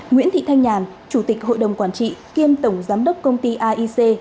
nguyễn thị thanh nhàn chủ tịch hội đồng quản trị kiêm tổng giám đốc công ty aic